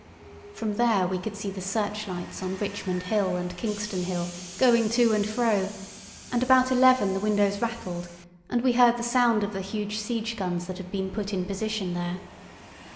From there we could see the searchlights on Richmond Hill and Kingston Hill going to and fro, and about eleven the windows rattled, and we heard the sound of the huge siege guns that had been put in position there.